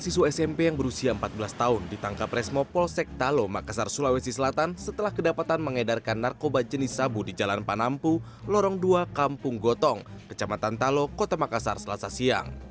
siswa smp yang berusia empat belas tahun ditangkap resmo polsek talo makassar sulawesi selatan setelah kedapatan mengedarkan narkoba jenis sabu di jalan panampu lorong dua kampung gotong kecamatan talo kota makassar selasa siang